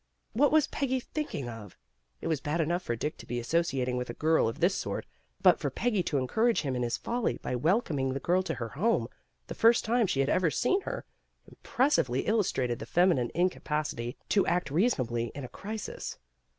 What was Peggy thinking of? It was bad enough for Dick to be associating with a girl of this sort, but for Peggy to encourage him in his folly by welcoming the girl to her home, the first time she had ever seen her, impressively illustrated the feminine incapacity to act reasonably in a crisis.